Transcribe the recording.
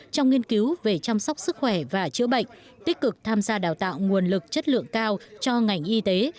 trong nghiên cứu về chăm sóc sức khỏe và chữa bệnh tích cực tham gia đào tạo nguồn lực chất lượng cao cho ngành y tế